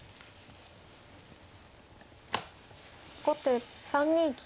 後手３二金。